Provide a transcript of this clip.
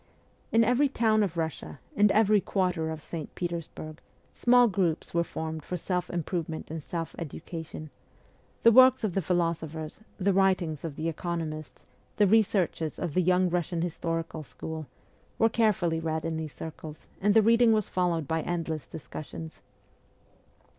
In every town of Eussia, in every quarter of St. Petersburg, small groups were formed for self improve ment and self education ; the works of the philosophers, the writings of the economists, the researches of the young Eussian historical school, were carefully read in these circles, and the reading was followed by endless discussions.